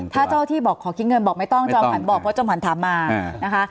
ถ้าเจ้าที่บอกขอคิดเงินบอกไม่ต้องจอมขวัญบอกเพราะจอมขวัญถามมานะคะ